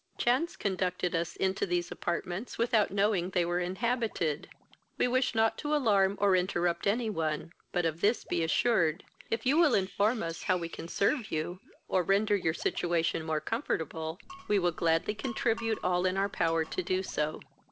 Chance conducted us into these apartments, without knowing they were inhabited. We wish not to alarm or interrupt any one, but of this be assured, if you will inform us how we can serve you, or render your situation more comfortable, we will gladly contribute all in our power to do so.